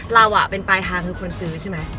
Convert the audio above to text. เราเป็นปลายทางคือคนซื้อใช่ไหม